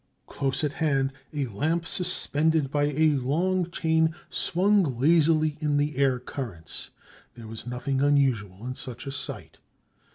Close at hand, a lamp suspended by a long chain swung lazily in the air currents. There was nothing unusual in such a sight.